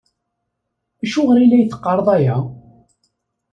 Acuɣer i la teqqareḍ aya?